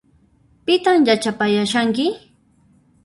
Pitan yachapayashanki?